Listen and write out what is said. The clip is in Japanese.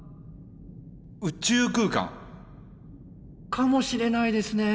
宇宙空間！かもしれないですねぇ。